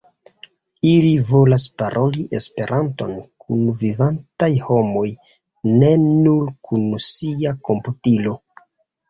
Ili volas paroli Esperanton kun vivantaj homoj, ne nur kun sia komputilo.